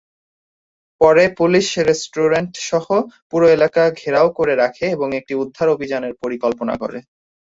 পরে police restaurant সহ পুরো এলাকা ঘেরাও করে রাখে এবং একটি উদ্ধার অভিযানের পরিকল্পনা করে।